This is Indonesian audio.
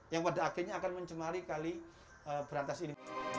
yang pada akhirnya akan mencemari kali berantas ini